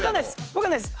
わかんないです。